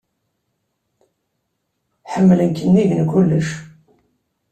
Ḥemmlen-k nnig n kulec.